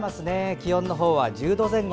気温は１０度前後。